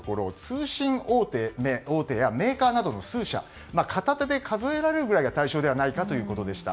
通信大手やメーカーなどの数社片手で数えられるぐらいが対象ではないかということでした。